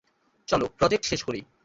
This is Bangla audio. চল প্রজেক্ট শেষ করি।